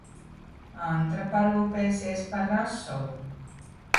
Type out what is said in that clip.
Antra parūpesies par rasolu.